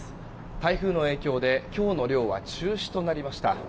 台風の影響で今日の漁は中止となりました。